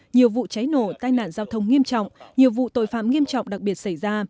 nhiều vụ cháy nổ tai nạn giao thông nghiêm trọng nhiều vụ tội phạm nghiêm trọng đặc biệt xảy ra